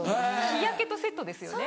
日焼けとセットですよね。